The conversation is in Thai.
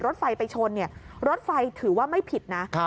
รถไฟไปชนรถไฟถือว่าไม่ผิดนะ